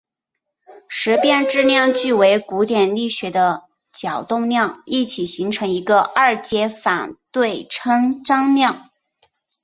时变质量矩与古典力学的角动量一起形成一个二阶反对称张量。